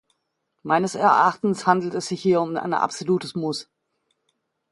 Meines Erachtens handelt es sich hier um ein absolutes Muss.